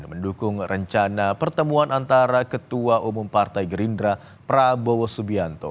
mendukung rencana pertemuan antara ketua umum partai gerindra prabowo subianto